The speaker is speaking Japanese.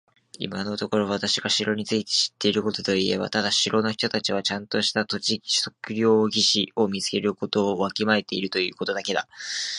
今のところ私が城について知っていることといえば、ただ城の人たちはちゃんとした土地測量技師を見つけ出すことをわきまえているということだけだ。